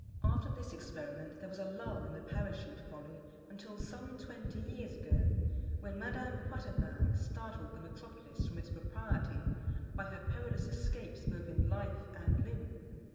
After this experiment there was a lull in the Parachute folly until some twenty years ago, when Madame Poitevin startled the Metropolis from its propriety by her perilous escapes both in life and limb.